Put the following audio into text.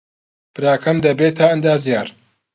براکەم دەبێتە ئەندازیار.